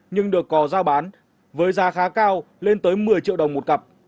nhưng được cò giao bán với giá khá cao lên tới một mươi triệu đồng một cặp